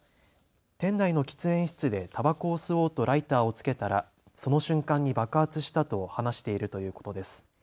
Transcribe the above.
店内の喫煙室でたばこを吸おうとライターをつけたらその瞬間に爆発したと話しているということです。